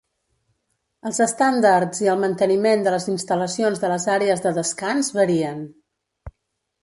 Els estàndards i el manteniment de les instal·lacions de les àrees de descans varien.